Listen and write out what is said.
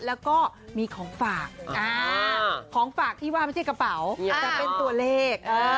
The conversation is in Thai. แล้วก็มีของฝากของฝากที่ว่าไม่ใช่กระเป๋าแต่เป็นตัวเลข